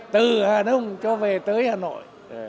từ hà nông cho về tới hà nội